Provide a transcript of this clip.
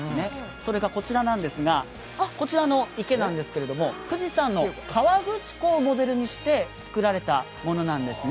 それがこちらなんですが、こちらの池なんですけど富士山の河口湖をモデルにして造られたものなんですね。